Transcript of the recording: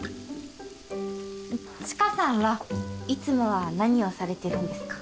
知花さんはいつもは何をされてるんですか？